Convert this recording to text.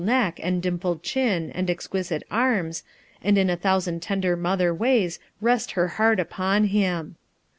neck and dimpled chin and exquisite arm 9( a J in a thousand tender mother ways rest heart upon him.